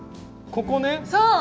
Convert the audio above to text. ここね。